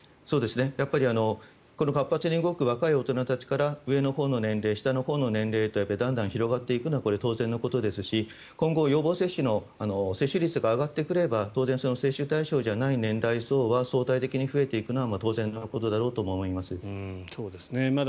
この活発に動く若い大人たちから上のほうの年齢下のほうの年齢とだんだん広がっていくのはこれは当然のことですし今後、予防接種の接種率が上がってくれば当然その接種対象じゃない年齢層は相対的に増えていくのは当然のことだろうと思います。